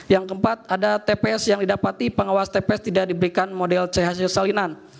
yang keempat ada tps yang didapati pengawas tps tidak diberikan model chc salinan